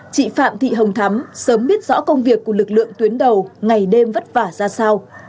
chị phạm thị hồng thắm sớm biết rõ công việc của lực lượng tuyến đầu ngày đêm vất vả ra sao